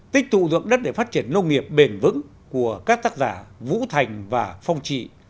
tích tụ dụng đất để phát triển nông nghiệp bền vững của các tác giả vũ thành và phong trị